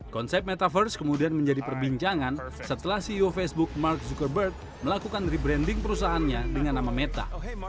konsep metaverse kemudian menjadi perbincangan setelah ceo facebook mark zuckerberg melakukan rebranding perusahaannya dengan nama meta